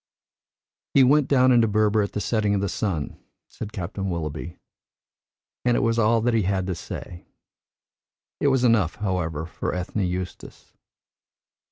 "He went down into Berber at the setting of the sun," said Captain Willoughby, and it was all that he had to say. It was enough, however, for Ethne Eustace.